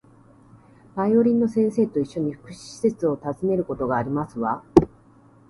バイオリンの先生と一緒に、福祉施設を訪ねることがありますわ